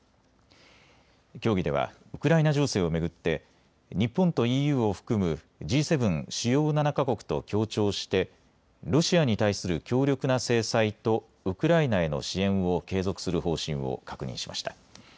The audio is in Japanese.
協議ではウクライナ情勢を巡って日本とＥＵを含むＧ７・主要７か国と協調してロシアに対する強力な制裁とウクライナへの支援を継続する方針を確認しました。